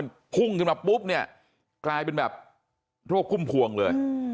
มันพุ่งขึ้นมาปุ๊บเนี่ยกลายเป็นแบบโรคพุ่มพวงเลย